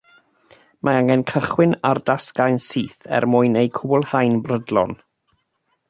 Mae angen cychwyn ar dasgau'n syth er mwyn eu cwblhau'n brydlon